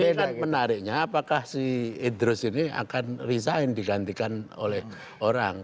ini kan menariknya apakah si idrus ini akan resign digantikan oleh orang